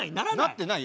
なってない？